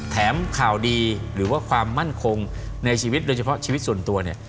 ข่าวดีหรือว่าความมั่นคงในชีวิตโดยเฉพาะชีวิตส่วนตัวเนี่ย